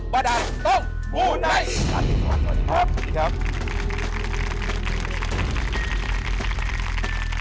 ว่าดาลต้องหมูไนท์